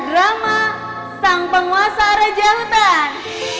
drama sang penguasa raja hutan